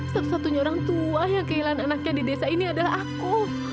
satu satunya orang tua yang kehilangan anaknya di desa ini adalah aku